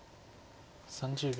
３０秒。